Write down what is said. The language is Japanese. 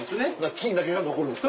金だけが残るんですか。